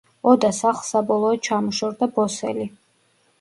ოდა სახლს საბოლოოდ ჩამოშორდა ბოსელი.